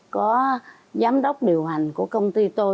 có giám đốc điều hành của công ty tôi